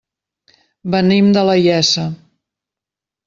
Venim de la Iessa.